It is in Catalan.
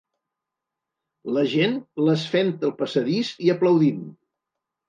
La gent les fent el passadís i aplaudint.